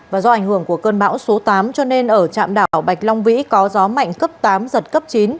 và do ảnh hưởng của cơn bão số tám cho nên ở trạm đảo bạch long vĩ có gió mạnh cấp tám giật cấp chín